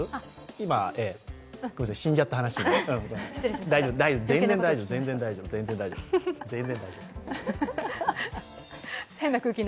今は死んじゃった話に。